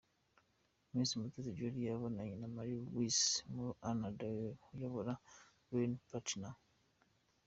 Miss Mutesi Jolly yabonanye na Maria Luise "Malu" Anna Dreyer uyobora Rhénanie-Palatinat.